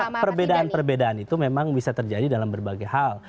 nah perbedaan perbedaan itu memang bisa terjadi dalam berbagai hal